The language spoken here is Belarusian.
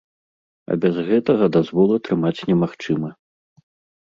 А без гэтага дазвол атрымаць немагчыма.